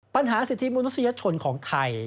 ปัญหาสิทธิมนุษยชนของไทย